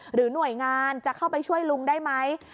หรือหน่วยงานจะเข้าไปช่วยลุงได้ไหม